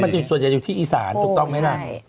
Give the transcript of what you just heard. จุดส่วนใหญ่อยู่ที่อีสานถูกต้องไหมล่ะ